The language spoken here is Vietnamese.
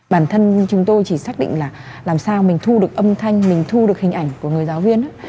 bản thân chúng tôi chỉ xác định là làm sao mình thu được âm thanh mình thu được hình ảnh của người giáo viên